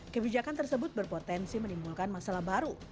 kebijakan tersebut berpotensi menimbulkan masalah baru